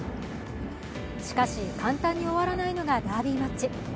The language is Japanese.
しかし、簡単に終わらないのがダービーマッチ。